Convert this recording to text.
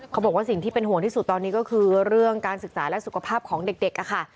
เขาบอกว่าสิ่งที่เป็นห่วงที่สุดตอนนี้ก็คือเรื่องการศึกษาและสุขภาพของเด็กค่ะ